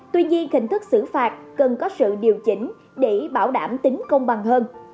tuy nhiên hình thức xử phạt cần có sự điều chỉnh để bảo đảm tính công bằng hơn